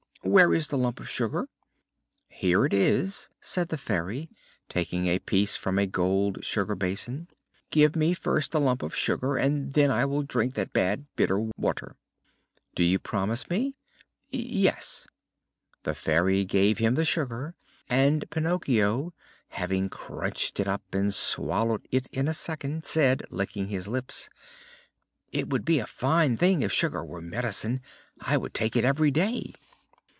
"Where is the lump of sugar?" "Here it is," said the Fairy, taking a piece from a gold sugar basin. "Give me first the lump of sugar and then I will drink that bad bitter water." "Do you promise me?" "Yes." The Fairy gave him the sugar and Pinocchio, having crunched it up and swallowed it in a second, said, licking his lips: "It would be a fine thing if sugar were medicine! I would take it every day."